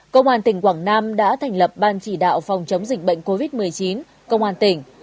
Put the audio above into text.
công an tỉnh quảng nam đã thành lập ban chỉ đạo phòng chống dịch bệnh covid một mươi chín công an tỉnh